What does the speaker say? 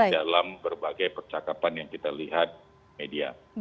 dalam berbagai percakapan yang kita lihat media